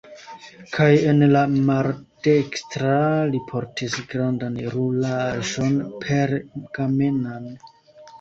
Kaj en la maldekstra li portis grandan rulaĵon pergamenan.